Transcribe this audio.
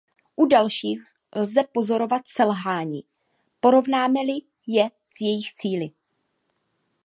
U dalších lze pozorovat selhání, porovnáme-li je s jejich cíli.